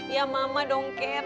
ya mama dong ken